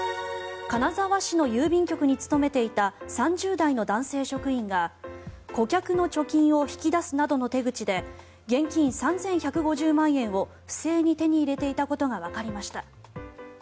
金沢市の郵便局に勤めていた３０代の男性職員が顧客の貯金を引き出すなどの手口で現金３１５０万円を不正に手に入れていたことがわかりました。